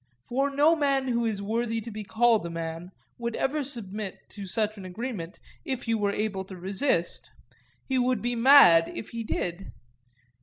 For no man who is worthy to be called a man would ever submit to such an agreement if he were able to resist; he would be mad if he did.